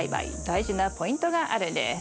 大事なポイントがあるんです。